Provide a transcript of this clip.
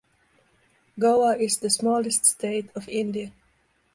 Goa is a smallest state of India.